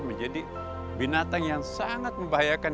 menjadi binatang yang sangat membahayakan